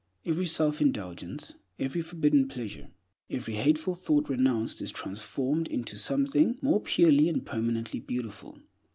Every self indulgence, every forbidden pleasure, every hateful thought renounced is transformed into something more purely and permanently beautiful.